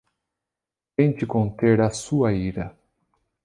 Tente conter a sua ira